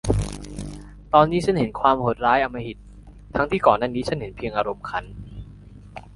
ตอนนี้ฉันเห็นความโหดร้ายอำมหิต ทั้งที่ก่อนหน้านี้ฉันเห็นเพียงอารมณ์ขัน